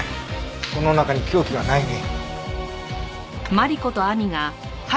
この中に凶器はないね。